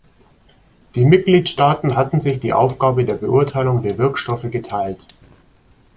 Die Mitgliedstaaten hatten sich die Aufgabe der Beurteilung der Wirkstoffe geteilt.